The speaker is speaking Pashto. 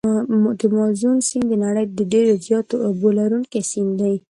د مازون سیند د نړۍ د ډېر زیاتو اوبو لرونکي سیند دی.